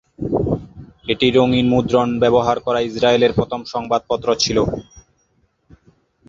এটি রঙিন মুদ্রণ ব্যবহার করা ইসরায়েলের প্রথম সংবাদপত্র ছিল।